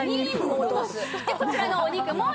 そしてこちらのお肉も。